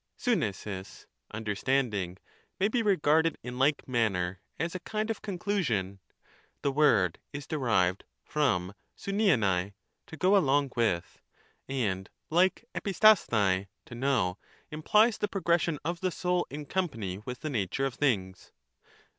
"Lvveai^ (understanding) may be regarded in like manner as a kind of conclusion ; the word is derived from avviEvai (to go along with), and, like e nioraaOai (to know), implies the progression of the soul in company with the nature of things.